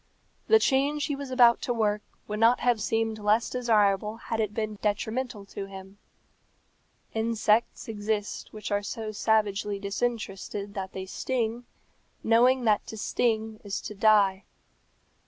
The change he was about to work would not have seemed less desirable had it been detrimental to him. Insects exist which are so savagely disinterested that they sting, knowing that to sting is to die.